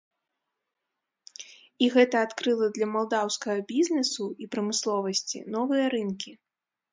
І гэта адкрыла для малдаўскага бізнэсу і прамысловасці новыя рынкі.